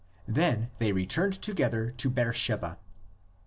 "Then they returned together to Beer sheba."